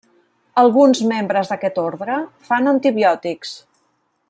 Alguns membres d'aquest ordre fan antibiòtics.